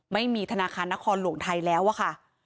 ไม่มีธนาคารนครหลวงไทยแล้วอะค่ะ